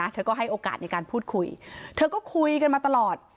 เธอก็ให้โอกาสในการพูดคุยเธอก็คุยกันมาตลอด